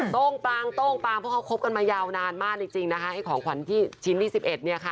โต้งปลางเพราะเขาคบกันมายาวนานมากจริงนะคะให้ของขวัญที่ชิ้นที่๑๑เนี่ยค่ะ